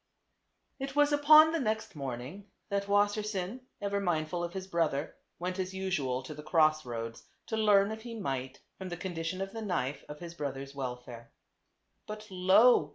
It was upon the next morning that Wassersein, TWO BBOTHEBS. 305 ever mindful of his brother, went as usual to the cross roads to learn if he might, from the condi tion of the knife, of his brother's welfare. But lo